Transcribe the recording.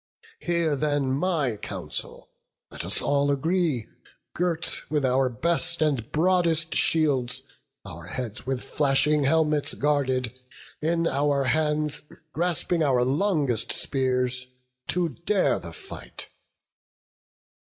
Hear then my counsel: let us all agree, Girt with our best and broadest shields, our heads With flashing helmets guarded, in our hands Grasping our longest spears, to dare the fight.